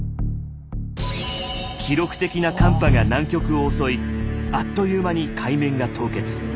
記録的な寒波が南極を襲いあっという間に海面が凍結。